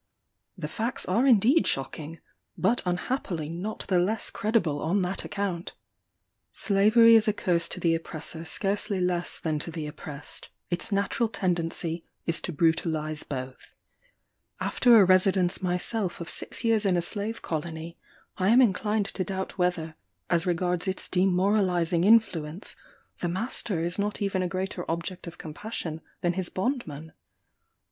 The facts are indeed shocking, but unhappily not the less credible on that account. Slavery is a curse to the oppressor scarcely less than to the oppressed: its natural tendency is to brutalize both. After a residence myself of six years in a slave colony, I am inclined to doubt whether, as regards its demoralizing influence, the master is not even a greater object of compassion than his bondman.